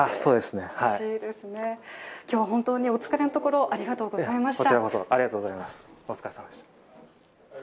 今日は本当にお疲れのところありがとうございました。